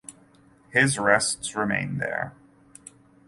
His rests remain there.